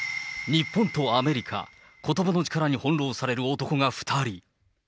日本とアメリカ、ことばの力に翻弄される男が２人。